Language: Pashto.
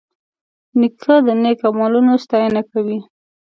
نیکه د نیک عملونو ستاینه کوي.